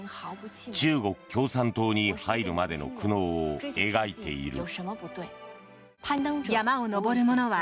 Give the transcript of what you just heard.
中国共産党に入るまでの苦悩を描いている。